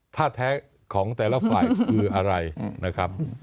ท่าแท้ของแต่ละฝ่ายคืออะไรนะครับ